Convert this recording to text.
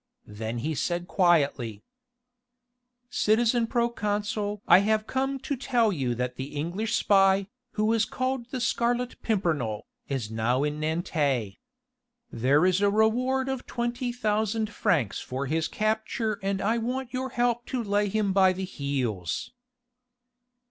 Then he said quietly: "Citizen proconsul I have come to tell you that the English spy, who is called the Scarlet Pimpernel, is now in Nantes. There is a reward of twenty thousand francs for his capture and I want your help to lay him by the heels."